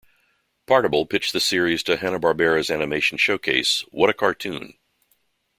Partible pitched the series to Hanna-Barbera's animation showcase What a Cartoon!